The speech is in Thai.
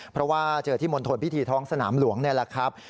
เพราะว่าเจอที่มณฑลพิธีท้องสนามหลวงนี่แหละครับ